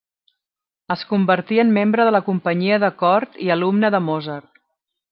Es convertí en membre de la companyia de cort i alumne de Mozart.